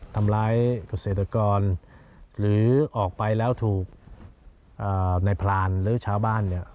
ทำร้ายเกษตรกรหรือออกไปแล้วถูกนายพรานหรือชาวบ้านเนี่ย